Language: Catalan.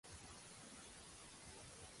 Com més són, manco valen.